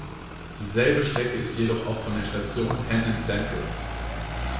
Dieselbe Strecke ist es jedoch auch von der Station Hendon Central.